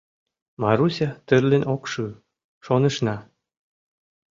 Маруся тырлен ок шу, шонышна.